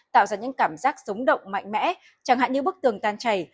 tạo ra những cảm giác sống động mạnh mẽ chẳng hạn như bức tường tan chảy